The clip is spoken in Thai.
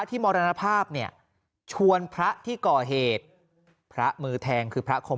มรณภาพเนี่ยชวนพระที่ก่อเหตุพระมือแทงคือพระคม